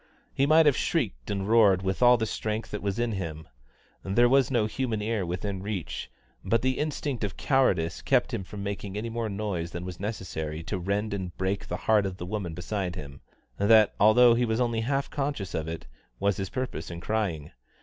He might have shrieked and roared with all the strength that was in him there was no human ear within reach but the instinct of cowardice kept him from making any more noise than was necessary to rend and break the heart of the woman beside him, that, although he was only half conscious of it, was his purpose in crying.